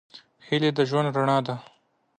هیلې د ژوند رڼا ده.